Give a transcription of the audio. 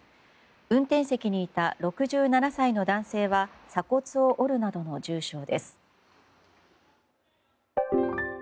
運転席にいた６７歳の男性は鎖骨を折るなどの重傷です。